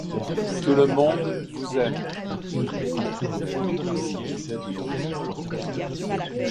Tout le monde vous aime.